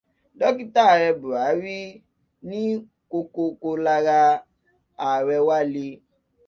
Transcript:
Dọ́kítà ààrẹ Bùhárí ní kokoko lara ààrẹ wa le.